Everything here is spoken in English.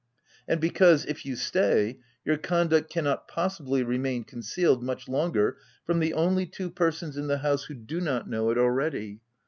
313 and because, if you stay, your conduct cannot possibly remain concealed much longer from the only two persons in the house who do not know it already.